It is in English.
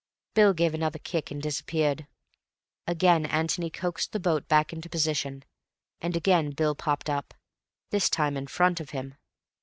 Bill gave another kick and disappeared. Again Antony coaxed the boat back into position, and again Bill popped up, this time in front of him.